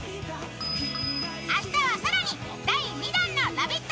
明日は更に第２弾の「ラヴィット！」